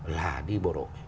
là đi bộ đội